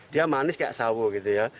dia manis kayak sawo gitu ya